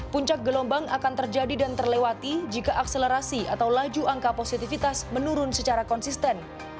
puncak gelombang akan terjadi dan terlewati jika akselerasi atau laju angka positifitas menurun secara konsisten